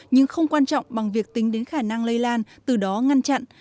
nhưng không quan trọng bằng việc tính đến khả năng lây lan từ đó ngăn chặn